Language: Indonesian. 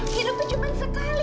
hidupnya cuma sekali